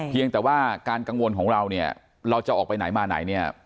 เพียงแต่ว่าการกังวลของเราเนี่ยเราจะออกไปไหนมาไหนเนี่ย